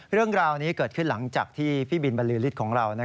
เรื่องราวนี้เกิดขึ้นหลังจากที่พี่บินบรรลือฤทธิ์ของเรา